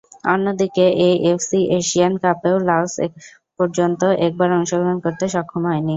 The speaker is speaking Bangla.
অন্যদিকে, এএফসি এশিয়ান কাপেও লাওস এপর্যন্ত একবারও অংশগ্রহণ করতে সক্ষম হয়নি।